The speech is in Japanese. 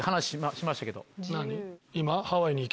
何？